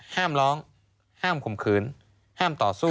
ห้ามร้องห้ามข่มขืนห้ามต่อสู้